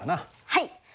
はい。